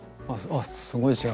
あっすごい違う。